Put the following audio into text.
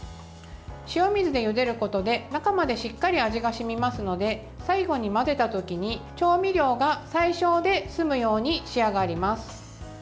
塩水でゆでることで中までしっかり味が染みますので最後に混ぜた時に、調味料が最少で済むように仕上がります。